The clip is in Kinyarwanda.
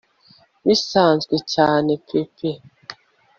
bisanzwe cyane pe pe